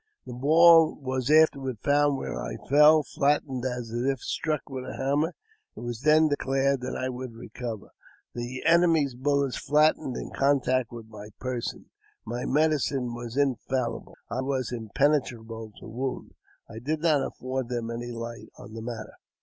The ball was afterward found where I fell, flattened as if struck with a hammer. It was then declared that I would recover. The enemy's bullets flattened in contact with my person — my medicine was in falhble — I was impenetrable to wound ! I did not afford them any light on the matter.